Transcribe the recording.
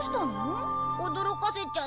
驚かせちゃった？